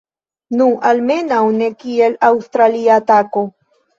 Nu, almenaŭ ne kiel aŭstralia tako